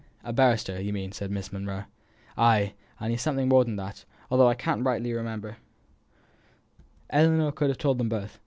"A barrister, you mean," said Miss Monro. "Ay; and he's something more than that, though I can't rightly remember what," Ellinor could have told them both.